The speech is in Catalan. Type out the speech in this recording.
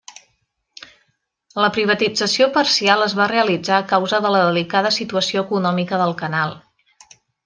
La privatització parcial es va realitzar a causa de la delicada situació econòmica del canal.